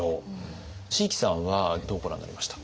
椎木さんはどうご覧になりましたか？